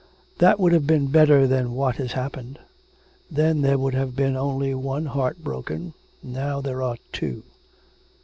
'That would have been better than what has happened. Then there would have been only one heart broken, now there are two.'